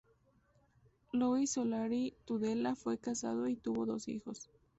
Luis Solari Tudela fue casado y tuvo dos hijos.